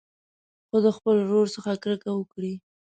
خو د خپل ورور څخه کرکه وکړي.